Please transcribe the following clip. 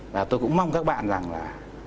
và tôi cũng mong các bạn rằng là